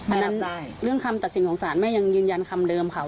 อันนั้นเรื่องคำตัดสินของศาลแม่ยังยืนยันคำเดิมค่ะ